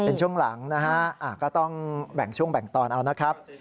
เป็นช่วงหลังนะฮะก็ต้องแบ่งช่วงแบ่งตอนเอานะครับ